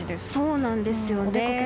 そうなんです。